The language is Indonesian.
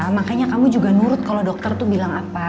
makanya kamu juga nurut kalau dokter tuh bilang apa